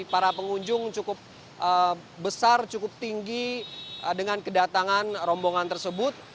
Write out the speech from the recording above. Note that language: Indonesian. para pengunjung cukup besar cukup tinggi dengan kedatangan rombongan tersebut